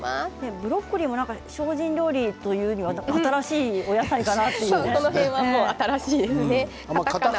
ブロッコリーは精進料理というよりも新しいお野菜という感じがしますね。